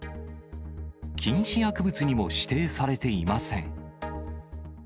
禁止薬物にも指定されていません。